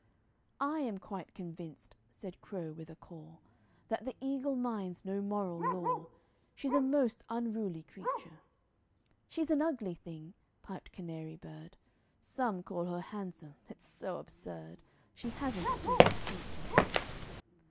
"I am quite convinced," said Crow, with a caw, "That the Eagle minds no moral law, She's a most unruly creature." "She's an ugly thing," piped Canary Bird; "Some call her handsome it's so absurd She hasn't a decent feature."